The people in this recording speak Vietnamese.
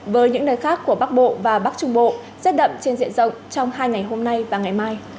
với những nơi khác của bắc bộ và bắc trung bộ rét đậm trên diện rộng trong hai ngày hôm nay và ngày mai